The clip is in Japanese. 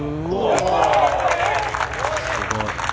すごい。